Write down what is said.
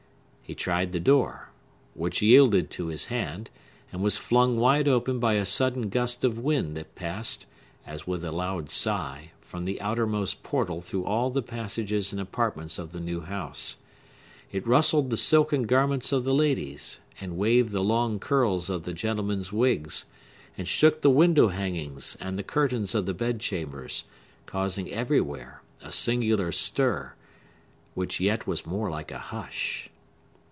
He tried the door, which yielded to his hand, and was flung wide open by a sudden gust of wind that passed, as with a loud sigh, from the outermost portal through all the passages and apartments of the new house. It rustled the silken garments of the ladies, and waved the long curls of the gentlemen's wigs, and shook the window hangings and the curtains of the bedchambers; causing everywhere a singular stir, which yet was more like a hush.